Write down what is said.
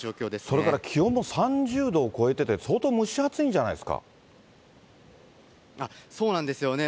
それから気温も３０度を超えてて、相当蒸し暑いんじゃないでそうなんですよね。